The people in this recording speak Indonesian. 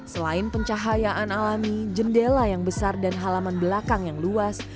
selain pencahayaan alami jendela yang besar dan halaman belakang yang luas